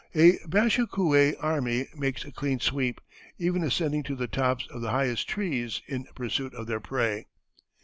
A bashikouay army makes a clean sweep, even ascending to the tops of the highest trees in pursuit of their prey."